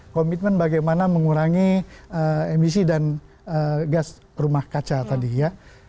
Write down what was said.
komitmen bagaimana mengurangi emisi dan gas rumah kaca tadi ya